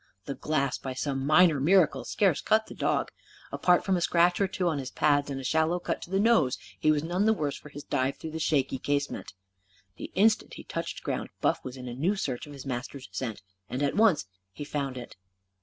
The glass, by some minor miracle, scarce cut the dog. Apart from a scratch or two on his pads and a shallow cut on the nose, he was none the worse for his dive through the shaky casement. The instant he touched ground, Buff was in new search of his master's scent. And at once he found it.